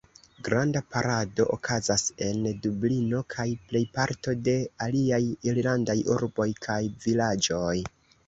Granda parado okazas en Dublino kaj plejparto de aliaj Irlandaj urboj kaj vilaĝoj.